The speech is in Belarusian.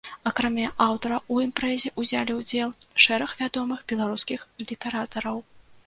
Акрамя аўтара ў імпрэзе ўзялі ўдзел шэраг вядомых беларускіх літаратараў.